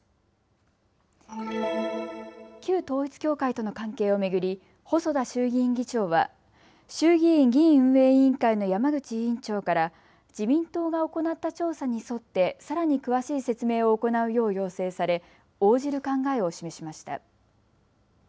旧統一教会との関係を巡り細田衆議院議長は衆議院議院運営委員会の山口委員長から自民党が行った調査に沿ってさらに詳しい説明を行うよう要請され応じる考えを示しました。